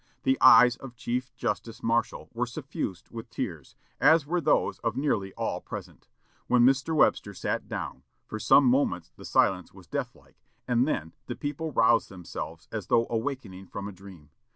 The eyes of Chief Justice Marshall were suffused with tears, as were those of nearly all present. When Mr. Webster sat down, for some moments the silence was death like, and then the people roused themselves as though awaking from a dream.